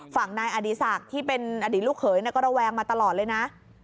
ฝั่งนายอดีศักดิ์ที่เป็นอดีตลูกเขยก็ระแวงมาตลอดเลยนะ